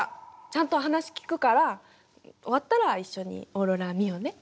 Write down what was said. ちゃんと話聞くから終わったら一緒にオーロラ見ようね。